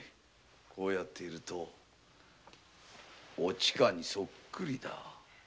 こうやっているとおちかにそっくりだ。